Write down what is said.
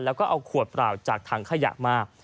แล้วก็เอาขวดเปล่าจากถังขยะมา